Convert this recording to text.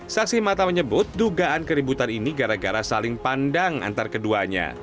saksi mata menyebut dugaan keributan ini gara gara saling pandang antar keduanya